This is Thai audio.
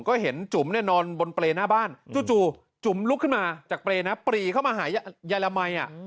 ก็เห็นจุ๋มเนี่ยนอนบนเปรย์หน้าบ้านจู่จุ๋มลุกขึ้นมาจากเปรย์นะปรีเข้ามาหายายละมัย